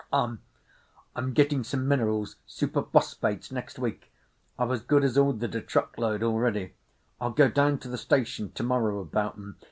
"I'm—I'm getting some minerals—superphosphates—next week. I've as good as ordered a truck load already. I'll go down to the station to morrow about 'em.